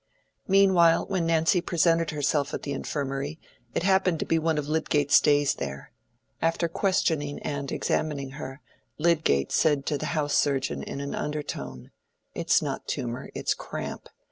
Meanwhile when Nancy presented herself at the Infirmary, it happened to be one of Lydgate's days there. After questioning and examining her, Lydgate said to the house surgeon in an undertone, "It's not tumor: it's cramp."